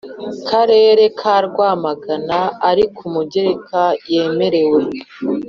Karere ka Rwamagana ari ku mugereka yemerewe